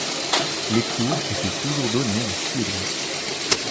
Les cours étaient toujours donnés en suédois.